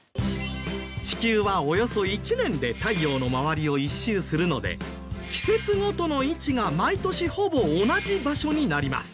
地球はおよそ１年で太陽の周りを１周するので季節ごとの位置が毎年ほぼ同じ場所になります。